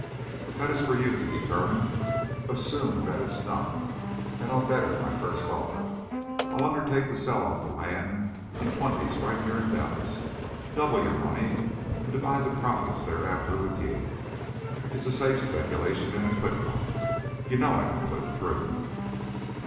"That is for you to determine. Assume that it is not, and I'll better my first offer. I'll undertake to sell off the land in twenties right here in Dallas, double your money, and divide the profits thereafter with you. It is a safe speculation and a quick one. You know I can put it through."